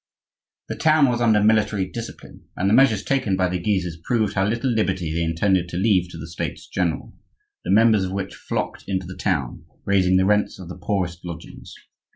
The town was under military discipline, and the measures taken by the Guises proved how little liberty they intended to leave to the States general, the members of which flocked into the town, raising the rents of the poorest lodgings.